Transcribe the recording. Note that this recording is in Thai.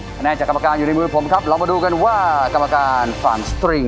คะแนนจากคณะกรรมการอยู่ในมือผมเรามาดูกันว่ากะมากรรภ์ฟลัมสตริง